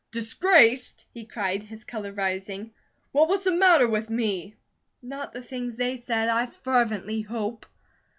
"'Disgraced?'" he cried, his colour rising. "Well, what's the matter with me?" "Not the things they said, I fervently hope."